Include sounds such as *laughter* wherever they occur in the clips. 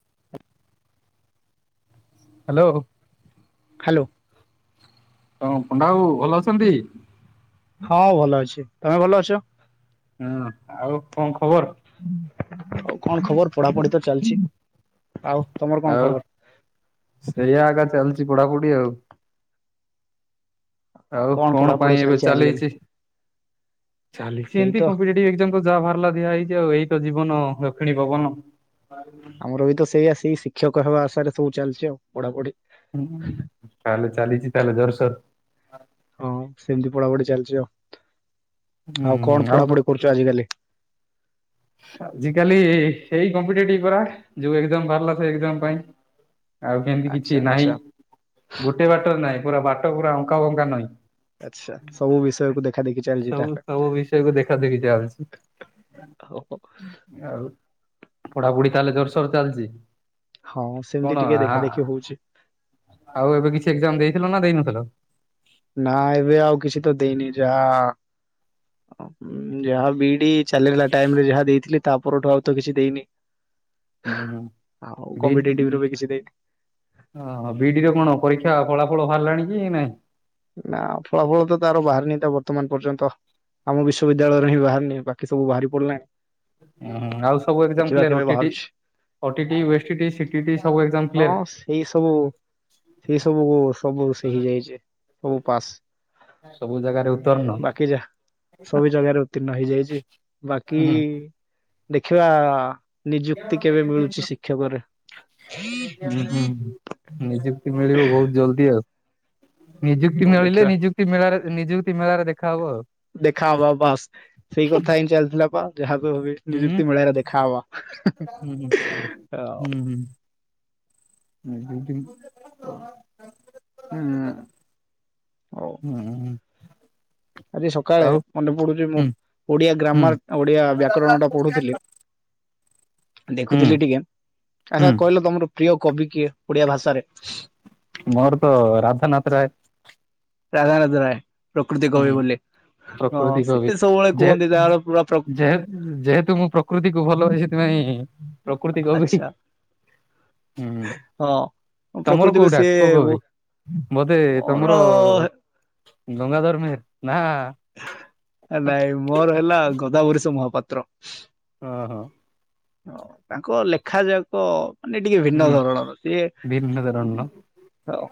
*unintelligible* Hello hello ହଁ ପଣ୍ଡା ବାବୁ ଭଲ ଅଛନ୍ତି? ହଁ ଭଲ ଅଛି। ତମେ ଭଲ ଅଛ? ହୁଁ ଆଉ କଣ ଖବର ଆଉ କଣ ଖବର ପଢାପଢି ତ ଚାଲିଛି ଆଉ ତମର କଣ ଆଉ ଖବର ସେଇଆ ଆଗା ଚାଲିଛି ପଢା ପଢି ଆଉ। ଆଉ କଣ ପାଇଁ ଏବେ ଚାଲିଛି ଚାଲିଛି ସେଇ ତ ଏମିତି କମ୍ପିଟେଟିଭ ଏକଜାମ ତ ଯାହା ବାହାରିଲା ଦିଆ ହେଇଛି ଆଉ ଏଇ ଜୀବନ ଦକ୍ଷିଣୀ ପବନ ଆମର ବି ତ ସେଇଆ ସେଇ ଶି ଶିକ୍ଷକ ହେବା ଆଶାରେ ସବୁ ଚାଲିଛି ଆଉ ପଢା ପଢି। ହଁ ତାହଲେ ଚାଲିଛି ତାହେଲେ ଜୋର ସର ହଁ ହଁ ସେମିତି ପଢା ପଢି ଚାଲିଛି ଆଉ। ହୁଁ ଆଉ କଣ ପଢା ପଢି କରୁଛୁ ଆଜିକାଲି? ଆଜିିକାଲି ଏଇ ହେଇ କମ୍ପିଟେଟିଭ ପରା ଯୋଉ ଏକଜିମ ବାହାରିଲା ଏକଜାମ ପାଇଁ ଆଉ କେମିତି ଆଚ୍ଛା କିଛି ନାହିଁ ଆଚ୍ଛା ଗୋଟେ ବାଟରେ ନାହିଁ ପୁରା ବା ପୁରା ଅଙ୍କା ବଙ୍କା ନଈ ଆଚ୍ଛା ସବୁ ବିଷୟକୁ ଦେଖା ଦେଖି ଚାଲିଛି ସବୁ ତାହେଲେ ସବୁ ବିଷୟକୁ ଦେଖା ଦେଖି ଚାଲଛି। ହଉ ଆଉ ପଢା ପଢି ତାହଲେ ଜୋର ସୋର ଚାଲିଚି? ହଁ ସେମିତି କଣ ଟିକେ ଦେଖା ଆ ଦେଖି ହଉଛି ଆଉ ଏବେ କିଛି ଏକଜାମ ଦେଇଥିଲ ନା ଦେଇନଥିଲ? ନା ଏବେ ଆଉ କିଛି ତ ଦେଇନି ଯାହା ଅ ଉ ଯାହା ବିଇଡି ଚାଲିଲା ଟାଇମରେ ଯାହା ଦେଇଥିଲି ତା ପରଠୁ ଆଉ ତ କିଛି ଦେଇନି। ହୁଁ ହୁଁ ଆଉ ବିଇଡି କମ୍ପିଟେଟିଭ ର ବି କିଛି ଦେଇନି ଅହ ବିଇଡି ର କଣ ପରୀକ୍ଷା ଫଳା ଫଳ ବାହାରିଲାଣି କି ନାଇଁ? ନା ଫଳାଫଳ ତ ତାର ବାହାରିନି ତା ବର୍ତ୍ତମାନ ପର୍ଯ୍ୟନ୍ତ ଆମ ବିଶ୍ବିଦ୍ୟାଳୟରେ ହିଁ ବାହାରିନି ବାକି ସବୁ ବାହାରି ପଡିଲାଣି। ହଁ ଆଉ ସବୁ ଏକଜାମ ଦେଖିବା କ୍ଲିଅର କେବେ ଓ ଟି ଟି, ବାହାରୁଛି ଓ ଟି ଟି, ଓ ଏସ ଟି ଟି, ସି ଟି ଇ ଟି ସବୁ ଏକଜାମ କ୍ଲିଅର? ହଁ ସେଇ ସବୁ ସେଇ ସବୁ ସବୁ ସେ ଆ ହେଇଯାଇଛି। ସବୁ ପାସ ଉତ୍ତୀର୍ଣ୍ଣ। ବାକି ଯାହା ସବୁ ଜାଗାରେ ଉତ୍ତୀର୍ଣ୍ଣ ହେଇଯାଇଛି ବାକି ହୁଁ ଦେଖିବା ହଁ ନିଯୁକ୍ତି କେବେ ହୁଁ ମିଳୁଛି ଶିକ୍ଷକରେ ନିଯୁକ୍ତି ମିଳିବ ବହୁତ ଜଲଦି ଆଉ। ନିଯୁକ୍ତି ହଉ ମିଳିଲେ ଦେଖିବା ନିଯୁକ୍ତି ମେଳାରେ ନିଯୁକ୍ତି ମେଳାରେ ଦେଖା ହବ ଆଉ। ଦେଖା ହବା ବାସ୍ ସେଇ କଥା ହିଁ ଚାଲିଥିଲା ବା ଯାହାକୁ ନିଯୁକ୍ତି ମେଳାରେ ଦେଖାହବା। ହୁଁ ହଁ ଆଉ। ହୁଁ ହୁଁ। ଆ ଯଦି ହ ହୁଁ ହଉ। ହୁଁ ଆଜି ସକାଳେ ଆଉ ମନେ ପଡୁଛି ମୁଁ ହୁଁ ଓଡିଆ ହୁଁ ଗ୍ରାମାର ଓଡିଆ ବ୍ୟାକରଣ ଟା ପଢୁଥିଲି ହୁଁ ଦେଖୁଥିଲି ଟିକେ ଆଚ୍ଛା ହୁଁ କହିଲ ତମର ପ୍ରିୟ କବି କିଏ ଓଡିଆ ଭାଷାରେ? ମୋର ତ ରାଧାନାଥ ରାୟ। ରାଧାନାଥ ରାୟ। ପ୍ରକୃତି କବି ହୁଁ ବୋଲି ହଁ ପ୍ରକୃତି କବି ସିଏ ସବୁବେଳେ କୁହନ୍ତି ତାର ଯେହେତୁ ପୁରା ପ୍ର ଯେହେତୁ ଯେହେତୁ ମୁଁ ପ୍ରକୃତିକୁ ଭଲ ନାଇଁ ପ୍ରକୃତି କବି ଆଚ୍ଛା ହୁଁ ହୁଁ ହଁ ତମର ପ୍ରକୃତିକୁ କୋଉଟା ସିଏ କୋଉ ବୋ କବି ବୋଧେ ମୋର ତମର ଗଙ୍ଗାଧର ମେହେର। ନା ନାଇଁ ମୋର ହେଲା ଗୋଦାବରୀଶ ମହାପାତ୍ର। ପାତ୍ର। ହଁ ହଁ। ହଁ ତାଙ୍କ ଲେଖା ଯାକ ମାନେ ଟିକେ ଭିନ୍ନ ହୁଁ। ଧରଣର ସିଏ ଭିନ୍ନଧରଣ ହଁ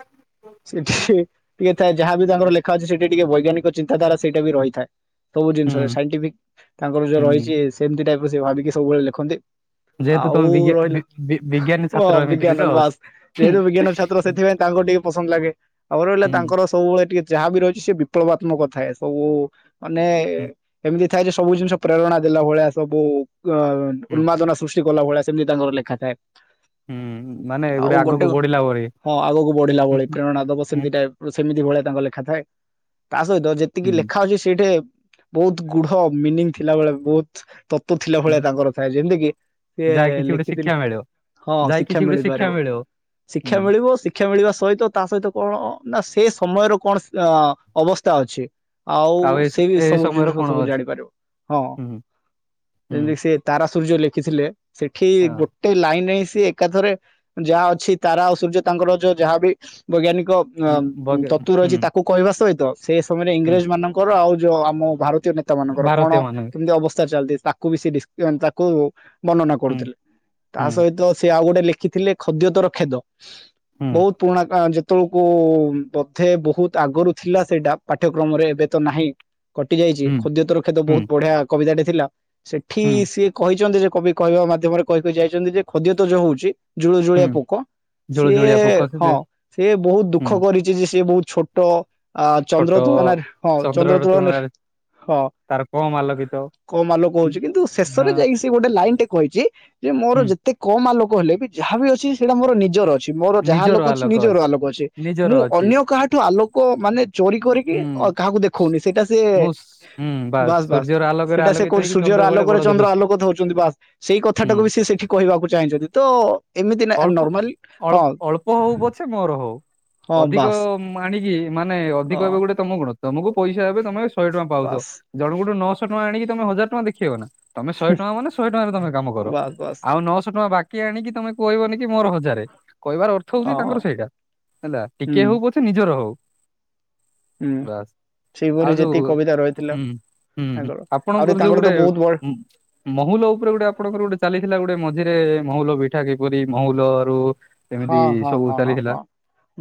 ସେ ଟିକେ ଟିକେ ଯାହାବି ତାଙ୍କର ଲେଖା ଦେଖାଯାଉଛି ସେଇଟା ଟିକେ ବୈଜ୍ଞାନିକ ଚିନ୍ତାଧାରା ସେଇଟା ବି ରହିଥାଏ । ସବୁ ଜିନିଷ ହୁଁ ସାଇଣ୍ଟିଫିକ ତାଙ୍କର ଯୋଉ ହୁଁ ରହିଛି ସେମତି ଟାଇ ପର୍ ସେ ଭାବିକି ସବୁବେଳେ ଲେଖନ୍ତି। ଯେହେତୁ ଆଉ ତମେ ବିଜ୍ଞା ବି ରହିଲା ବି ବିଜ୍ଞାନୀ ହଁ ଛାତ୍ର ଏମିତିରେ ବିଜ୍ଞାନ ତ ହୁଁ ବାସ୍ ଯେହେତୁ ବିଜ୍ଞାନ ଛାତ୍ର ସେଥିପାଇଁ ତାଙ୍କୁ ଟିକେ ପସନ୍ଦ ଲାଗେ ଆଉ ରହିଲା ହୁଁ ତାଙ୍କର ସବୁବେଳେ ଟିକେ ଯାହା ବିି ରହିଛି ସେ ବିପ୍ଳବାତ୍ମକ ଥାଏ ସବୁ ମାନେ ହୁଁ ଏମିତି ଥାଏ ଯେ ସବୁ ଜିନିଷ ପ୍ରେରଣା ଦେଲା ଭଳିଆ ସବୁ ଅ ହୁଁ ଉନ୍ମାଦନା ସୃଷ୍ଟି ସୃଷ୍ଟି କଲା ଭଳିଆ ସେମିତି ତାଙ୍କର ଲେଖା ଥାଏ। ହୁଁ ମାନେ *inaudible* ଆଉ ଗୋଟେ ଆଗକୁ ବଢିଲା ପରେ ହଁ ଆଗକୁ ବଢିଲା ଭଳି ହୁଁ ପ୍ରେରଣା ଦବ ସେମିତି ହୁଁ ଟାଇପ୍ ର ସେମିତି ଭଳିଆ ତାଙ୍କ ଲେଖା ଥାଏ ତା ସହିତ ଯେତିକି ହୁଁ ଲେଖା ଅଛି ସେଇଠି ବହୁତ ଗୁଢ ମିନିଙ୍ଗି ଥିଲା ବେଳେ ବହୁତ ତତ୍ଵ ଥିଲା ଭଳିଆ ତାଙ୍କର ଯେମିତିକି ଯାହା ସିଏ କିଛି ଗୋଟେ ଲେଖିଥିଲେ ଶିକ୍ଷା ମିଳିବ ହଁ *inaudible* ଯାହା ଶିକ୍ଷା କିଛି ଗୋଟେ ମିଳିପାରିବ ମିଳିବ। ଶିକ୍ଷା ହୁଁ ମିଳିବ ଶିକ୍ଷା ମିଳିବା ସହିତ ତା ସହିତ କଣ? ନା ସେ ସମୟର କଣ ଅ-ଅବସ୍ଥା ଅଛି। ଆଉ ଏ ସେ ବି ଏ ସବୁ ସମୟର ଜିନିଷ କଣ ସବୁ ଅଛି ଜାଣିପାରିବ ହଁ ହୁଁ ହୁଁ ଯେମିତି ସି ଆ ସୂର୍ଯ୍ୟ ଲେଖିଥିଲେ ସେଠି ହଁ। ଗୋଟେ ଲାଇନ୍ ଏମିତି ଏକାଥରେ ଯାହା ଅଛି ତାରା ସୂର୍ଯ୍ୟ ତାଙ୍କର ଯୋଉ ଯାହା ବି ବୈଜ୍ଞାନିକ ତ୍ବ ଅ-ତତ୍ଵ ରହିଛି, ତାକୁ କହିବା ସହିତ ସେଇ ସମୟରେ ଇଂରେଜ ମାନଙ୍କର ଆଉ ଯୋଉ ଆମ ଭାରତ ତୀର ନେତାମାନଙ୍କର କଣ କେମିତି ଅବସ୍ଥା? ଚାଲ ତାକୁ ବି ସେ ଜନତାକୁ ବର୍ଣ୍ଣନା କରୁଥିଲେ ତା ସହିତ ସେ ଆଉ ଗୋଟେ ଲେଖିଥିଲେ ଖଦ୍ୟ ତର ଖେଦ। *inaudible* ବହୁତ ପୁରୁଣା ଗାଁ ଯେ ତମକୁ ବୋଧେ ବହୁତ ଆଗରୁ ଥିଲା ସେଇ ପାଠ୍ୟକ୍ରମରେ ଏବେ ତ ନାହିଁ। କଟି ଯାଇଛି ଖଦ୍ୟ ତର ଖେଦ ବହୁ ବଢିଆ କବିତା ଟେ ଥିଲା ସେ ଏଠି ସିଏ କହିଛନ୍ତି ଯେ କବି କହିବା ମାଧ୍ୟମରେ କହିକି ଯାଇଛନ୍ତି ଯେ ଖଦ୍ୟ ତ ଯୋଉ ହଉଛି। ଜୁଳୁ ଜୁଳିଆ ହୁଁ ପୋକ ସିଏ ଜୁଳୁଜୁଳିଆ ପୋକ ସେ ହଁ ଯେ ସିଏ ବହୁତ ଦୁଃଖ ହୁଁ କରିଛି ଯେ ସିଏ ବହୁତ ଛୋଟ ଆ ଛୋଟ ଚନ୍ଦ୍ର ତୁଳନାରେ ହଁ ଚନ୍ଦ୍ର ତୁଳନାରେ ହଁ ତାର କମ ଆଲୋକିତ। କ ମାଲୋ ହୁଁ, କହୁଛି କି ହଁ ଶେଶରେ ଯାଇକି ସିଏ ଗୋଟେ ଲାଇନ୍ ଟେ କହିଛି। ଯେ ମୋର ହୁଁ ଯେତେ କମ୍ ଆଲୋକ କହିଲେ ବି ଯାହା ବି ଅଛି ସେଇଟା ମୋର ନିଜର ଅଛି। ମୋର ଯାହା ଆଲୋକ ଅଛି ନିଜର ଆଲୋକ ଅଛି ନିଜର ମୁଁ ଅଛି ଅନ୍ୟ କାହାଠୁ ଆଲୋକ ମାନେ ଚୋରି କରିକି ହୁଁ କାହାକୁ ଦେଖଉନି ସେଇଟା ସେ ମୁଁ ସ୍ ହୁଁ ବାସ୍ ବାସ୍ ସୂର୍ଯ୍ୟର ଆଲୋକରେ ସେଇଟା ସିଏ ଆଲୋକିତ କୋହୁଛି ହେଇକି ସୂର୍ଯ୍ୟର ଚନ୍ଦ୍ର ବେଳେ ଆଲୋକ ବଡ ଦେଖ ଚନ୍ଦ୍ର ଆଲୋକତ ହଉଛନ୍ତି ବାସ୍ ସେଇ ହୁଁ କଥାଟାକୁ ବି ସେ ସେଠି କହିବାକୁ ଚାହିଁଛନ୍ତି ତ ଏମିତି ଅଳ୍ପ ନର୍ମାଲି ଅଳ୍ପ ହଁ। ଅଳ୍ପ ହଉ ପଛେ ମୋର ହଉ ହଁ ଅଧିକ ବାସ୍ ଆଣିକି ମାନେ ଅଧିକ ହଁ ହେବ ଗୋଟେ ତମ ଗୁଣ ତମକୁ ପଇସା ଏବେ ତମେ ଶହେ ଟଙ୍କା ପାଉଚ ବାସ୍ ଜଣଙ୍କଠୁ ନସ ଛ ଟଙ୍କା ଆଣିକିତମେ ହଜାର ଟଙ୍କା ଦେଖେଇବ ନା। ତମେ ଶହେ ଟଙ୍କା ମାନେ ଶହେ ଟଙ୍କାରେ ତମେ କାମ କର ବାସ୍ ବାସ୍ ଆଉ ନଅଶହ ଟଙ୍କା ବାକି କି ଆଣିକି ତମେ କହିବନି କି ମୋର ହଜାରେ। କହିବାର ଅର୍ଥ ହଉଛି ହଁ ହଁ। ତାଙ୍କର ସେଇଟା ହେଲା ହୁଁ ଟିକେ ହଉ ପଛେ ନିଜର ହଉ। ହୁଁ ବାସ୍ ସେଇପରି ଆଉ ଯୋଉ ଯେତିକି ହୁଁ କବିତା ରହିଥିଲା ହୁଁ ତାଙ୍କର ଆହୁରି ଆପଣଙ୍କର ଯୋଉ ତାଙ୍କର ତ ଗୋଟେ ବହୁତ ବଢିଆ ମହୁଲ ଉପରେ ଗୋଟେ ଆପଣଙ୍କର ଗୋଟେ ଚାଲିଥିଲା ଗୋଟେ ମଝିରେ ମହୁଲ ପିଠା କିପରି ମହୁଲରୁ ହଁ ଏମିତି ହଁ ସବୁ ହଁ ହଁ ଚାଲିଥିଲା ହଁ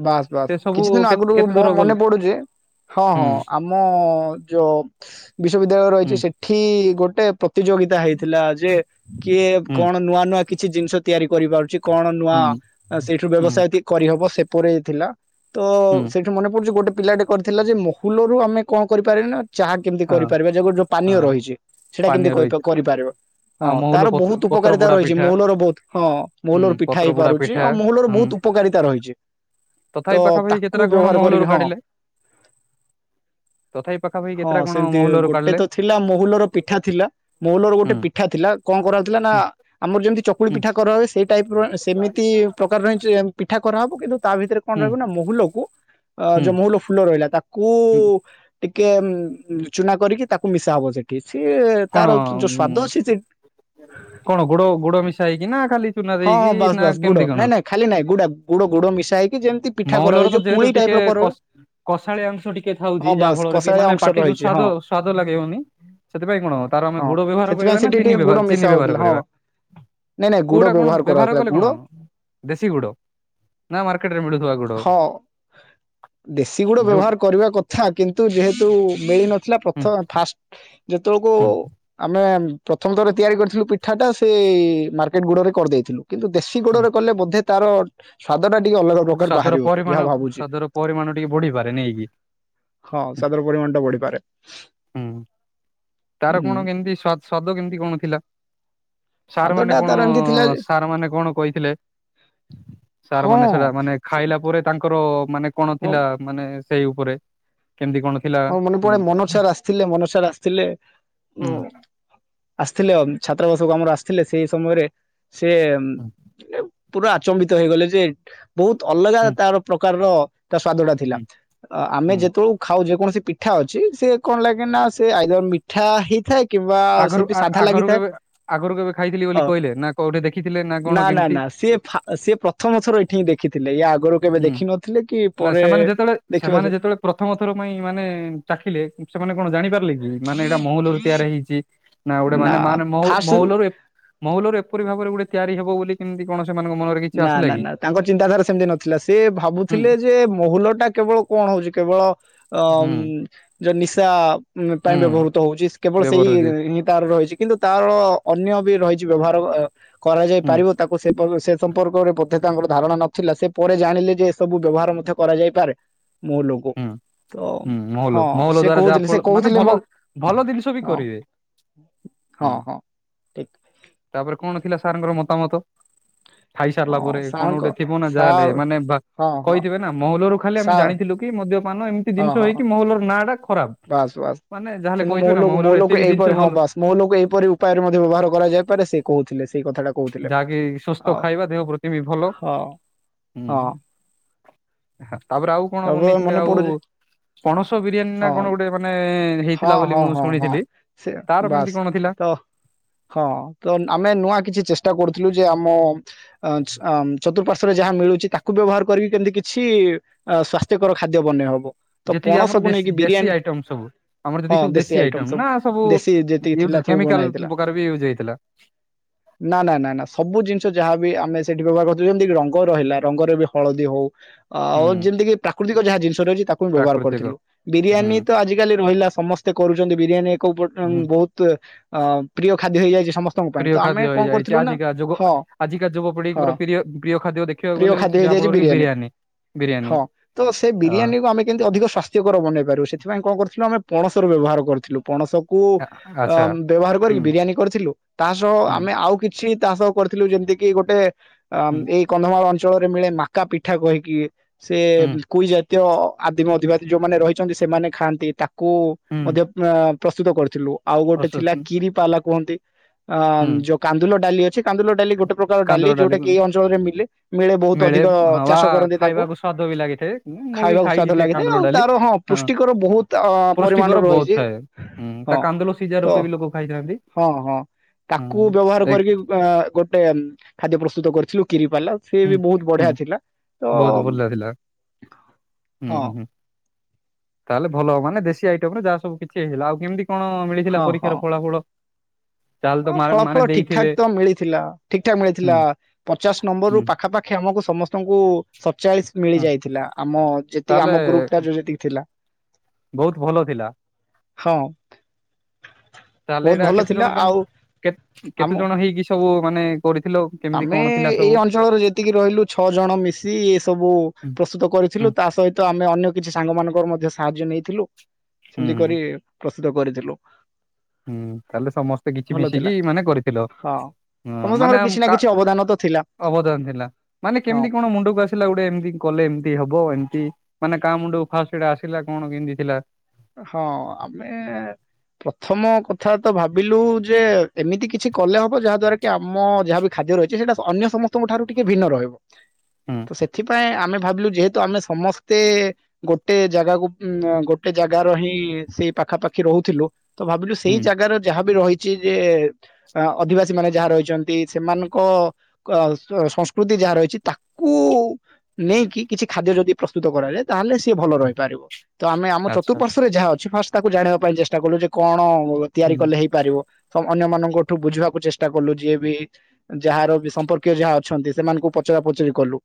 ବାସ୍ ବାସ୍ ସେ ସବୁ କିଛି ଦିନ କେ- ଆଗରୁ କେତେ ମୋ ଦୂର ଗଲେ ମନେ ପଡୁଛି ହଁ ହୁଁ ହଁ ଆମ ଯୋ ବିଶ୍ୱବିଦ୍ୟାଳୟ ରହିଛି ହୁଁ ସେଠି ଗୋ ଟେ ପ ପ୍ରତିଯୋଗିତା ହେଇଥିଲା ଯେ କିଏ ହୁଁ। କଣ ନୂଆ ନୂଆ କିଛି ଜିନିଷ ତିଆରି କରିବାରୁ ଉଚି କଣ ନୂଆ ହୁଁ ଆଉ ସେଇଠୁ ହୁଁ ବ୍ୟବସାୟ ଏତି କରିହେବ ସେ ପରେଇଥିଲା ତ ହୁଁ ସେଇଠୁ ମନେ ପଡ଼ୁଚି ଗୋଟେ ପିଲାଟେ କରିଥିଲା ଯେ ମହୁଲରୁ ଆମେ କଣ କରିପାରେ ନା ଚାହା କେମିତି ହଁ କରିପାରିବା ଯେଗୋଟ ଯୋଉ ପାନୀୟ ହଁ ରହିଚି ସେଇଟା ପାନୀୟ କେମିତି କଇ ରହିଛି କରିପାରିବ ହଁ ଆଉ ମହୁଲ ତାର ପତ ବହୁତ ପତ୍ର ଉପକାରିତା ପୋଡା ରହିଛି ପିଠା ମହୁଲର ବହୁତ ହଁ ହୁଁ ମହୁଲର ପିଠା ପତ୍ର ପୋଡା ହେଇପାରୁଚ ଯେ ପିଠା ମହୁଲର ହୁଁ ବହୁତ ଉପକାରିତା ରହିଛି ତ ତଥାପି ପାଖାପାଖି ତାକୁ କେତେଟା କଣ ବ୍ୟବହାର କରିକି ମହୁଲରୁ ହଁ କାଢିଲେ ତଥାପି ପାଖାପାଖି ହଁ। କେତେଟା କଣ ଯେମିତି ମହୁଲରୁ ଗୋଟେ କାଢିଲେ ତ ଥିଲା ମହୁଲର ପିଠା ଥିଲା ମହୁଲର ଗୋଟେ ହୁଁ ପିଠା ଥିଲା କଣ କରାହଥିଲା ନା ହୁଁ ଆମର ଯେମିତି ଚକୁଳି ହୁଁ ପିଠା କରା ହୁଏ ସେ ଟାଇପ ର ସେମିତି କି ପ୍ରକାର ରାଇଚି ପିଠା କ କରହବ କିନ୍ତୁ। ତା ଭିତରେ କଣ ହୁଁ ରହିବ ନା ମହୁଲକୁ ଅ ହୁଁ ଯୋଉ ମହୁଲ ଫୁଲ ରହିଲା ତାକୁ ହୁଁ ଟିକେ ଚୁନା କରିକି ତାକୁ ମିଶାହବ ସେଠି। ସିଏ ତାର କଣ ଯୋଉ ସ୍ଵାଦ ଅଛି ସେ କଣ ଗୋଡ ଗୋଡ ମିଶା ହେଇକି ନା ଖାଲି ଚୁନା ହଁ ଦେଇକି ହଁ ବାସ୍ ନା ବାସ୍ ଗୁଡ କେମତି କଣ ନାଇଁ ନାଇଁ ଖାଲି ନାଇଁ ଗୁଡା ଗୁଡ ଗୁଡ ମିଶା ହେଇକି ଯେମିତି ପିଠା କରାହୁଏ ମଉଲର ତ ଯୋଉ ଯେହେତୁ ପୁଳି ଟାଇପ ଟିକେ ର କର କସ କଷାଳି ଅଂଶ ଟିକେ ଥାଉଚି ହଁ ଯାହା ବାସ୍ ଫଳରେ କି କଷାଳିଆ ମାନେ ଅଂଶ ପାଟିକୁ ରହିଛି ସ୍ଵାଦ ହଁ ସ୍ଵାଦ ଲାଗିବନି ସେ ସେଥିପାଇଁ କଣ ତାର ଆମେ ହଁ ଗୁଡ଼ ବ୍ୟବହାର କରିବା ସେଥିପାଇଁ ନା ସେଠି ଚିନି ଟିକେ ଗୁଡ ଚିନି ବ୍ୟବହାର କରିବା? ଗୁଡ଼ କୋଉଟା କଣ ବ୍ଯବହାର ବ୍ୟବହାର କରାଯାଉଥିଲା କଲେ କଣ ଗୁଡ଼? ଦେଶୀ ଗୁଡ ନା ମାର୍କେଟରେ ମିଳୁଥିବା ଗୁଡ ହଁ ଦେଶୀ ଗୁଡ଼ ଯୋଉ ବ୍ଯବହାର କରିବା କିନ୍ତୁ ଯେହେତୁ ମିଳିନ ହୁଁ ତ ଫାଷ୍ଟ ଯେତେବେଳକୁ ହୁଁ ଆମେ ପ୍ରଥମ ଥର ତିଆରି କରିଥିଲୁ ପିଠାଟା ସେ ମାର କେଟ ଗୁଡ଼ରେ କରିଦେଇଥିଲୁ। କିନ୍ତୁ ଦେଶୀ ହୁଁ ଗୁଡ଼ରେ କଲେ ବୋଧେ ତାର ସ୍ଵାଦ ଟା ଟିକେ ଅଲଗା ପ୍ରକାର ସ୍ଵାଦର ବାହାରିବ ପରିମାଣ ଯାହା ଭାବୁଛି। ସ୍ଵାଦର ପରିମାଣ ଟିକେ ବଢିପାରେ ନେଇକି ହଁ ସ୍ୱାଦର ପରିମାଣ ଟା ବଢ଼ିପାରେ। ହୁଁ ତାର କଣ କେମିତି ସ୍ୱା ସ୍ୱାଦ କେମିତି କଣ ଥିଲା? ସାର୍ ସ୍ୱାଦ ମାନେ ଟା କଣ ତାର ଏମିତି ଥିଲା ଯେ ସାର୍ ମାନେ କଣ କହିଥିଲେ ସାର୍ ହଁ ମାନେ ସେଟା ମାନେ ଖାଇଲା ପରେ ତାଙ୍କର ମାନେ କଣ ଥିଲା ମାନେ ସେଇ ଉପରେ କେମିତି କଣ ଥିଲା ହଁ ମନେ ହୁଁ ପଡେ ମନୋଜ୍ ସାର୍ ଆସିଥିଲେ ମନୋଜ୍ ସାର୍ ଆସିଥିଲେ। ଓଁ। ହୁଁ ଆସିଥିଲେ ଛାତ୍ରାବାସକୁ ଆମର ଆସିଥିଲେ ସେଇ ସମୟରେ ସିଏ ହୁଁ ପୁରା ଆଚମ୍ବିତ ହେଇଗଲେ ଯେ ବହୁତ ଅଲଗା ହୁଁ ତାର ପ୍ରକାରର ତା ସ୍ଵାଦ ଟା ଥିଲା ହୁଁ ତ ଆମେ ହୁଁ ଯେତେବେଳଳେ ଖାଉ ଯେ ସେ ପିଠା ଅଛି ସେ କଣ ଲାଗେ ନା ସେ ଆଇଦର ମିଠା ହେଇଥାଏ କିମ୍ବା ଆଗରୁ ସେଠି ସାଧା ଆଗରୁ ଲାଗିଥାଏ। କେବେ ଆଗରୁ କେବେ ଖାଇଥିଲି ବୋଲି ହ କହିଲେ ନା କୋଉଠି ଦେଖିଥିଲେ ନା କଣ ନା କେମିତି ନା ସିଏ ଫା ସିଏ ପ୍ରଥମ ଥର ଏଠି ହିଁ ଦେ ଖିଥିଲେ ୟା ଆଗରୁ କେବେ ହୁଁ ଦେଖିନଥିଲେ କି ନା ପରେ ସେମାନେ ଯେତେଳେ ଦେଖିବା ସେମାନେ ସେ ଯେତେବେଳେ ପ୍ରଥମ ଥର ପାଇଁ ମାନେ ଚାଖିଲେ ସେମାନେ କଣ ଜାଣିପା ଥିଲେକି ମାନେ ଏଇଟା ମହୁଲ ରୁ ତିଆରି ହେଇଛି। ନା ଗୋଟେ ମାନେ ମାନେ ମହୁ ମହୁଲରୁ ମହୁଲରୁ ପୁରି ଭାବରେ ଗୋଟେ ତିଆରି ହେବ ବୋଲି କେମତି କଣ? ସେମାନଙ୍କ ମନରେ କିଛି ନା ଆସିଲା ନା କି? ନା ତାଙ୍କର ଚିନ୍ତାଧାରା ସେମିତି ନଥିଲା। ସେ ସେ ହୁଁ ଭାବୁଥିଲେ ଯେ ମହୁଲ ଟା କେବଳ କଣ ହଉଛି? କେବଳ ଅ ହୁଁ ମ୍ ଯ ନିଶା ପାଇଁ ହୁଁ ବ୍ୟବହୃତ ହଉଛି କେବଳ ସେଇ ବ୍ୟବହାର ଯେ ହିଁ ତାର ରହିଛି କିନ୍ତୁ ତାର ଅନ୍ୟ ବି ରହିଛି ବ୍ୟବହାର। କରାଯାଇ ହୁଁ ପାରିବ ତାକୁ ସେ ସେ *unintelligible* ସମ୍ପର୍କରେ ବୋଧେତା ଏଙ୍କର ଧାରଣା ନଥିଲା ସେ ପରେ ଜାଣିଲେ ଯେ ଏସବୁ ବ୍ୟବହାର ମଧ୍ୟ କରାଯାଇପାରେ। ମହୁଲକୁ ହୁଁ ତ ହୁଁ ହଁ ମହୁଲ ମହୁଲ ସେ ଦ୍ଵାରା ଯାହା କହୁଥିଲେ ସେ ଫଳ ମାନେ କହୁଥିଲେ ଭଲ ମୋ ଭଲ ଜିନିଷ ବି ହଁ କରିବେ ହଁ ହୁଁ ହଁ ଠିକ ତାପରେ କଣ ଥିଲା। ସାର୍ ଙ୍କର ମତା ମତ ଖାଇସାରିଲା ହଁ ପରେ କଣ ସାରଙ୍କ ଗୋଟେ ଥିବ ନା ଯାହେଲେ ସାର୍ ମାନେ ଭା ହଁ ହଁ କହିଥିବେ ନା ମହଲରୁ ଖାଲି ଆମେ ସାର୍ ଜାଣିଥିଲୁ। ମାନ ଏମତି ହଁ ଜିନିଷ ହଁ ହେଇକି ମହଲର ନାଁ ଟା ଖରାପ। ବାସ୍ ବାସ୍ ମାନେ ଯାହାହେଲେ କିନ୍ତୁ ମୋ କହିଥିବେ ନା ଲୋକ ମୋ ମହୁଲରୁ ଏତେ ଲୋକ ବି ଜିନିଷ ଏଇପରି ହଁ ଭଲ ବାସ୍ ମୋ ଲୋକ ଏଇପରି ଉପାୟରେ ମଧ୍ୟ ବ୍ୟବହାର କରାଯାଇପାରେ ସେ କହୁଥିଲେ ସେ ଯାହାକି ସୁସ୍ଥ ଖାଇବା ଦେହ ପ୍ରତିମ ଭଲ ହଁ ହୁଁ। ହଁ ହଁ। ତାପରେ ଆଉ କଣ ଏବେ ବନେଇଥିଲେ ମନେ ଆଉ ପଡୁଛି ପଣସ ବିରିୟାନୀ ନା ହଁ କଣ ଗୋଟେ ମାନେ ହଁ ହେଇଥିଲା ବୋଲି ହଁ ମୁଁ ହଁ ହଁ। ଶୁଣିଥିଲି ସେ ତାର କେମିତି ବାସ୍ କଣ ଥିଲା। ତ ଚ କରୁଥିଲୁ ଯେ ଆମ ଚତୁଃପାର୍ଶ୍ଵରେ ଯାହା ମିଳୁଛି ତାକୁ ବ୍ୟବହାର କରିକି କେମିତି କିଛି ଅ ସ୍ଵାସ୍ଥ୍ୟକର ଖାଦ୍ୟ ବନେଇ ହବ। ତ ଯେତିକି ଆମର ପଣସକୁୁ ଦେଶୀ ନେଇକି ଦେଶୀ ବିରିୟାନୀ ଆଇଟମ ସବୁ ଆମର ହଁ ଯେତିକି ସବୁ ଦେଶୀ ଆଇଟମ ସବୁ ନା ଦେଶୀ ଯେତିକି ଥିଲା ୟୁଜ ସବୁ ବଣା କେମିକାଲ ହେଇଥିଲା ପ୍ରକାର ବି ୟୁଜ ହେଇଥିଲା ନା ନା ସବୁ ଜିନିଷ ଯାହାବ ଆମେ ସେଠି ପ୍ରଭ ଯେମିତି ରଙ୍ଗ ରହିଲା। ରଙ୍ଗରେ ବି ହଳଦୀ ହଉ ହୁଁ ଆଉ ଯେମିତିିକି ପ୍ରାୃତିକ ଯାହା ଜିନିଶ ରହିଛି। ତାକୁ ବ୍ୟବହାର ପ୍ରାକୃତିକ କରିୁଥିଲୁ। ହୁଁ ବିରିୟାନୀ ତ ଆଜିିକାଲି ରହିଲା ସମସ୍ତେ କରୁ ହ ବ ବିରିୟାନ ଏକ କଉପଟନ୍ ହୁଁ ବହୁତ। ଅ ପ୍ରିୟ ଖାଦ୍ୟ ହେଇଯାଇଏ ପ୍ରିୟ ଖାଦ୍ୟ ହେଇଯାଇଛି ଆଜିକା ଯୁ ହଁ ଆଜିକା ହଁ ଯୁବପିଢିଙ୍କର ପ୍ରିୟ ପ୍ରିୟ ଖାଦ୍ୟ ଦେଖିବାକୁ ପ୍ରିୟ ଗଲେ ଖାଦ୍ୟ ହଉଛି ହେଇଯାଇଛି ଯାହାଫଳରେ କି ବିରିୟାନୀ। ବିରିୟାନୀ ହଁ ତ ସେ ଅ ବିରିୟାନୀକୁ ଆମେ କେମତି ଅଧିକ ସ୍ଵାସ୍ଥ୍ୟକର ବନେଇ ପାରିବ ସେଥିପାଇଁ କଣ କରୁଥିଲୁ ଆମେ ପଣସର ବ୍ୟବହାର କରିଥିଲୁ ପଣସ କୁ ଆଚ୍ଛା ବ୍ୟବହାର ହୁଁ କରିକି ବିରିୟାନୀ କରିଥିଲୁ ତା ସହ ହୁଁ। ଆମେ ଆଉ କିଛି ଚାଷ କରିଥିଲୁ ଯେମିତି କିି ଗୋଟେ ଆ ହୁଁ ଏଇ କନ୍ଧମାଳ ଅ ଅଞ୍ଚଳରେ ମିଳେ ମାକା ପିଠା କହିକି। ସେ ହୁଁ କୁଇ ଜାତୀୟ ଆଦିମ ଅଧିବାୀ ଯୋଉମାନେ ରହିଛନ୍ତି ସେମାନେ ଖାଆନ୍ତି ତାକୁ କୁ ହୁଁ ମଧ୍ୟ ପ୍ରସ୍ତୁତ କରିଥିଲୁ ଆଉ ଗୋଟେ ଥିଲା ପ୍ରଶସ୍ତି କିରି ପାଲକ କୁହନ୍ତି ଅ ହୁଁ ଯୋଉ କାନ୍ଦୁଲ ଡାଲି ଅଛି କାନ୍ଦୁଲ ଡାଲି ଗୋଟେ ପ୍ରକାର ଡାଲି କାନ୍ଦୁଳ ଯୋଉଟା ଡାଲିକୁ କି ଏଇ ଅଞ୍ଚଳରେ ମିଲେ ମିଳେ ବହୁତ ଅଧିକ ହଁ ବା ଚାଷ କରନ୍ତି ତାକୁ। ଖାଇବାକୁ ସ୍ଵାଦ ବି ଲାଗିଥାଏ ମୁଁ ବି ଖାଇବାକୁ ସ୍ଵାଦ ଖାଇଛି ସେ ଲାଗିଥାଏ କାନ୍ଦୁଲ ଆଉ ଡାଲି ତାର ହଁ ପୃଷ୍ଟିକର ବହୁତ ଅ ପରିମାଣର ପୃଷ୍ଟିକର ବହୁତ ରହିଛି ଥାଏ ହୁଁ ତା ହଁ କାନ୍ଦୁଲ ସିଝା ତ ରୂପେ ବି ଲୋକ ଖାଇଥା ହଁ ହଁ ତାକୁ ବ୍ୟବହାର ଏକ କରିକି ଅ ଗୋଟେ ଖାଦ୍ୟ ପ୍ରସ୍ତୁତ କରିଥିଲୁ କିରି ବାଲା ସିଏ ହୁଁ ବି ବହୁତ ହୁଁ ବଢିଆ ଥିଲା ତ ବହୁତ ଭଲ ଥିଲା ହୁଁ ହଁ ହୁଁ। ହୁଁ ତାହେଲେ ଭଲ ହବ ମାନେ ଦେଶୀ ଆଇଟମ ରେ ଯାହା ସବୁ କିଛି ହେଇଗଲା ଆଉ କେମିତି କଣ ମିଳିଥିଲା ହଁ ହଁ ପରୀକ୍ଷାର ଫଳା ଫଳ ହଁ ଫଳା ଫଳ ଠିକ ଠାକ ତ ମିଳିଥିଲା ଠିକ ଠାକ ହୁଁ ମିଳିଥିଲା ପଚାଶ ନମ୍ବର ରୁ ହୁଁ ପାଖାପାଖି ଆମକୁ ସ ସମସ୍ତଙ୍କୁ ସ ଡଚାଳିଶି ମିଳି ହୁଁ ଯାଇଥିଲା ଆମ ଯେତିକି ତାହେଲେ ଆମ ଗ୍ରୁପ ଟା ଯୋଉ ଯେତିକି ଥିଲା। ବହୁତ ଭଲ ଥିଲା ହଁ ତାହେଲେ ବହୁତ ଏଇଟା ଭଲ କେତେ ଥିଲା ଜଣ ତମ ଆଉ କେ ଆମ କେତେ ଜଣ ହେଇକି ସ ସବୁ ମାନେ କରିଥିଲ କେମିତି ଆମେ କଣ ଥିଲା ଏଇ ସବୁ? ଅଞ୍ଚଳରେ ଯେତିକି ରହିଲୁ ଛଅ ଜଣ ମିଶି ଏ ସବୁ ହୁଁ ପ୍ରସ୍ତୁତ ହୁଁ କରିଥିଲୁ ତା ସହିତ ଆମେ ଅନ୍ୟ କିଛି ସାଙ୍ଗ ମାନଙ୍କର ମଧ୍ୟ ସାହାଯ୍ୟ ନେଇଥିଲୁ। ହୁଁ ସେମିତି ହୁଁ କରି ପ୍ର ସ୍ତୁତ କରିଥିଲୁ। ହୁଁ ତାହେଲେ ସମସ୍ତେ କିଛି ଭଲ ଥିଲା ମିଶିକି ମାନେ କରିଥିଲ ହଁ। ଅଁ ସମସ୍ତଙ୍କର ମାନେ କିଛି ନା କା କିଛି ଅବଦାନ ତ ଥିଲା ଅବଦାନ ଥିଲା ମାନେ ହଁ କେମିତି କଣ ମୁଣ୍ଡକୁ ଆସିଲା ଗୋଟେ ଏମିତି କଲେ ଏମିତି ହବ ଏମ କି ମାନେ କାହା ମୁୁଣ୍ଡ କୁ ଫାଷ୍ଟ ଏଇଟା ଆସିଲା କଣ କେମିତି ଥିଲା? ହଁ ଆମେ ପ୍ରଥମ କଥା ତ ଭାବିଲୁ ଯେ ଏମିତି କିଛି କଲେ ହବ ଯାହା ଦ୍ଵାରା କି ଆମ ଯାହାବି ଖାଦ୍ୟ ରହିଛି ସେଇଟା ଅନ୍ୟ ସମ ସ୍ତଙ୍କ ଠାରୁ ଟିକେ ଭିନ୍ନ ରହିବ ହୁଁ ତ ସେଥିପାଇଁ ଆ ଆମେ ଭାବିଲୁ ଯେହେତୁ ଆମେ ସମସ୍ତେ ଗୋଟେ ଜାଗାକୁ ଉଁ ଗୋ ଟେ ଜାଗ ର ହିଁ ସେଇ ପାଖାପାଖି ରହୁଥିଲୁ ତ ଭାବିଲୁ ହୁଁ ସେଇ ଜାଗା ର ଯାହା ବି ରହିଛି ଯେ ଏଁ ଅଧିବାସୀ ମାନେ ଯାହା ରହିଛନ୍ତି। ସେମାନଙ୍କ ଅ ସଂସ୍କୃତି ଯାହା ରହିଛି। ତାକୁ ନେଇକି କିଛି ଖାଦ୍ୟ ଯଦି ପ୍ରସ୍ତୁତ କରାଯାଏ । ତାହେଲେ ସେ ଭଲ ରହିପାରିବ ତ ଆମେ ଆମ ଚତ ତୁ ଆଚ୍ଛା ପସରେ ଯାହା ଅଛି ଫା ତାକୁ ଜାଣିବା ପାଇଁ ଚେଷ୍ଟା କଲୁ ଯେ କଣ ତିଆରି ହୁଁ। କଲେ ହେଇପାରିବ। ହମ ଅନ୍ୟମାନାନଙ୍କଠୁ ବୁଝିବାକୁ ଚେଷ୍ଟା କଲୁ ଯିଏ ବି ଯାହାର ବି ସମ୍ପର୍କୀୟ ଯାହା ଅଛନ୍ତି ସେମାନଙ୍କୁ ପଚରା ପଚରି କଲୁ।